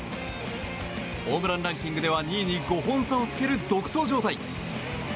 ホームランランキングでは２位に５本差をつける独走状態。